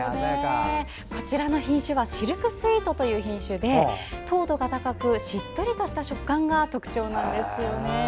こちらの品種はシルクスイートという品種で糖度が高くしっとりとした食感が特徴なんです。